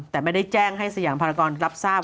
แต่ไม่ได้แจ้งให้สยามภารกรรับทราบ